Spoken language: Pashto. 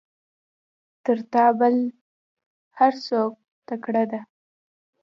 تر تا بل هر څوک تکړه ده.